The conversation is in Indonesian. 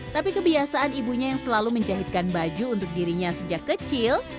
tapi kebiasaan ibunya yang selalu menjahitkan baju untuk dirinya sejak kecil